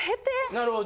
なるほど。